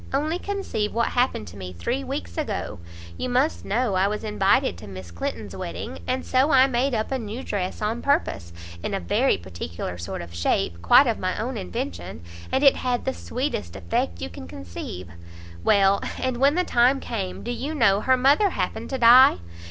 Only conceive what happened to me three weeks ago! you must know I was invited to Miss Clinton's wedding, and so I made up a new dress on purpose, in a very particular sort of shape, quite of my own invention, and it had the sweetest effect you can conceive; well, and when the time came, do you know her mother happened to die!